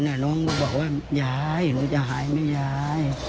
มันบอกว่าหนูจะหายหนูไม่หาย